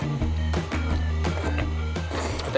mie aja udah gurih